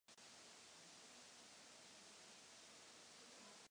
Vyučoval v Lille a Paříži a procestoval Řecko.